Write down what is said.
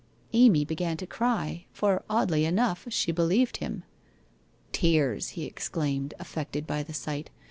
Amy began to cry, for, oddly enough, she believed him. ' Tears !' he exclaimed, affected by the sight.